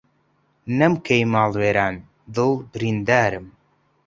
نەم کەی ماڵ وێران دڵ بریندارم